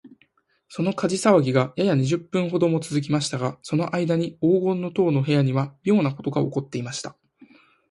その火事さわぎが、やや二十分ほどもつづきましたが、そのあいだに黄金の塔の部屋には、みょうなことがおこっていました。